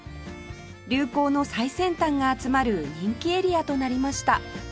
流行の最先端が集まる人気エリアとなりました